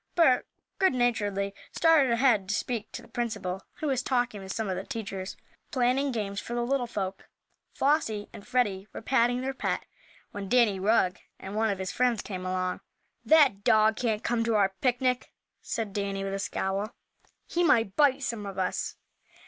Bert goodnaturedly started ahead to speak to the principal, who was talking with some of the teachers, planning games for the little folk. Flossie and Freddie were patting their pet, when Danny Rugg, and one of his friends came along. "That dog can't come to our picnic!" said Danny, with a scowl. "He might bite some of us."